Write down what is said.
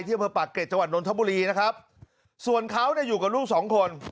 อำเภอปากเกร็จจังหวัดนทบุรีนะครับส่วนเขาเนี่ยอยู่กับลูกสองคน